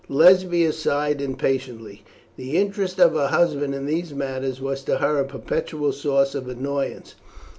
Lesbia sighed impatiently. The interest of her husband in these matters was to her a perpetual source of annoyance.